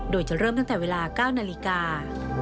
โดยจะเริ่มตั้งแต่เวลา๙นาฬิกา